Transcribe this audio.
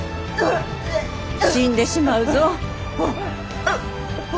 死んでしまうぞ？